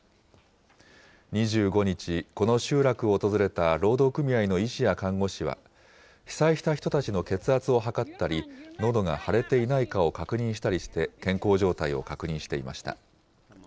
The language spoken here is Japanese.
２５日、この集落を訪れた労働組合の医師や看護師は、被災した人たちの血圧を測ったり、のどが腫れていないかを確認したりして、健康状態を確認していました。